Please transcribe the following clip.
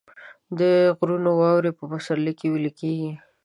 د غرونو واورې په پسرلي کې ویلې کیږي